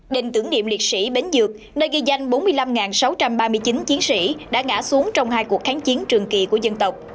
đền tưởng niệm liệt sĩ bến dược nơi ghi danh bốn mươi năm sáu trăm ba mươi chín chiến sĩ đã ngã xuống trong hai cuộc kháng chiến trường kỳ của dân tộc